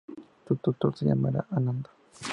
Tu tutor se llamará Ananda.